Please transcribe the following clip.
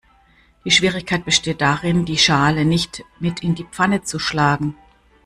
Die Schwierigkeit besteht darin, die Schale nicht mit in die Pfanne zu schlagen.